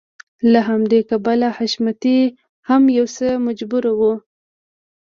له همدې کبله حشمتی هم يو څه مجبور و.